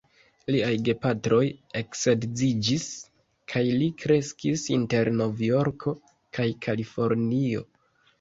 Liaj gepatroj eksedziĝis, kaj li kreskis inter Novjorko kaj Kalifornio.